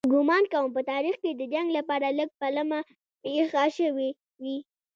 ګومان کوم په تاریخ کې د جنګ لپاره لږ پلمه پېښه شوې وي.